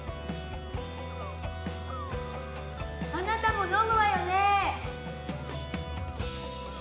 ・あなたも飲むわよね？